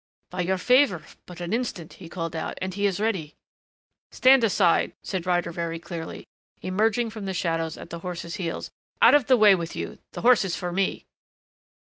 "By your favor but an instant," he called out, "and he is ready " "Stand aside," said Ryder very clearly, emerging from the shadows at the horse's heels. "Out of the way with you. The horse is for me."